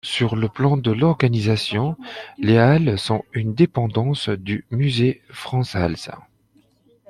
Sur le plan de l'organisation, les Halles sont une dépendance du musée Frans Hals.